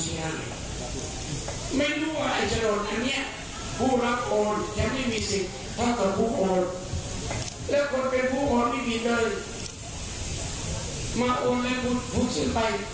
ถ้าลุงไม่สุดช้อยเป็นชะนาแล้วก็กินเรียน